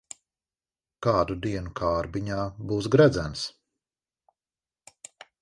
Kādu dienu kārbiņā būs gredzens.